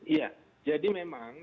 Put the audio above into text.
iya jadi memang